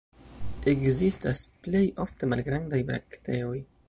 Ekzistas plej ofte malgrandaj brakteoj.